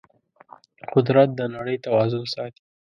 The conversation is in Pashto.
قدرت د نړۍ توازن ساتي.